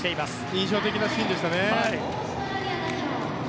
印象的なシーンでしたね。